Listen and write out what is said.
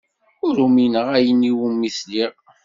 Ur umineɣ ayen iwumi sliɣ.